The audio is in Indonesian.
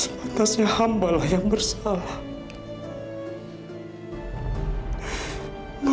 padriah berhenti berulang